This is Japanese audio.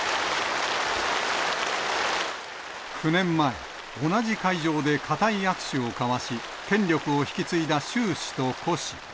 ９年前、同じ会場で固い握手を交わし、権力を引き継いだ習氏と胡氏。